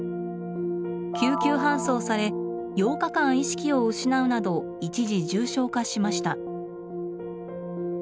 救急搬送され８日間意識を失うなど一時重症化しました。